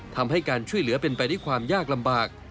ทำให้การช่วยเหลือเป็นไปด้วยความยากลำบาก